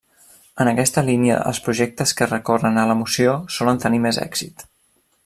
En aquesta línia els projectes que recorren a l'emoció solen tenir més èxit.